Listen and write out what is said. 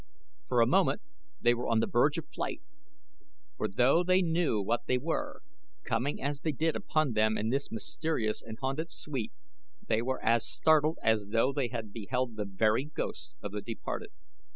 For a moment they were on the verge of flight, for though they knew what they were, coming as they did upon them in this mysterious and haunted suite, they were as startled as though they had beheld the very ghosts of the departed.